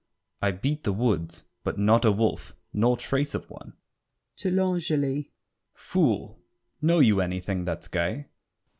I beat The woods, but not a wolf, nor trace of one! [To L'Angely.] Fool, know you anything that's gay? L'ANGELY.